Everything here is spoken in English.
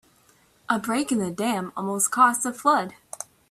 A break in the dam almost caused a flood.